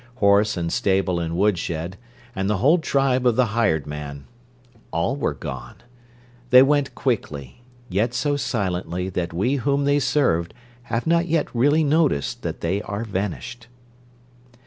Horse and stable and woodshed, and the whole tribe of the "hired man," all are gone. They went quickly, yet so silently that we whom they served have not yet really noticed that they are vanished.